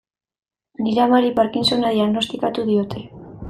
Nire amari Parkinsona diagnostikatu diote.